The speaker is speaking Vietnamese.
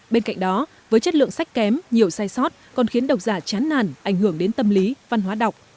bên cạnh đó với chất lượng sách kém nhiều sai sót còn khiến độc giả chán nàn ảnh hưởng đến tâm lý văn hóa đọc